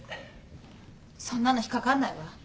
そんなのひっかかんないわ。